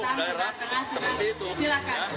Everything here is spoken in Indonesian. kita lihat saja lah tidak usah bicara soal survei survei daerah